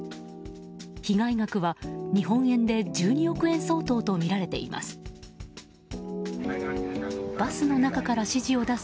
被害額は日本円で１２億円相当とみられています。